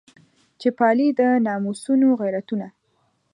چې پالي د ناموسونو غیرتونه.